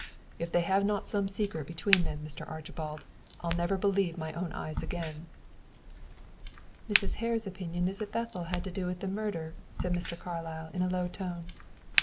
If they have not some secret between them, Mr. Archibald, I'll never believe my own eyes again." "Mrs. Hare's opinion is that Bethel had to do with the murder," said Mr. Carlyle, in a low tone.